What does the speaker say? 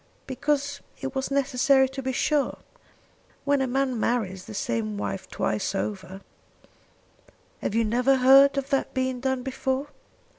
"Because it was necessary to be sure. When a man marries the same wife twice over " "Have you never heard of that being done before?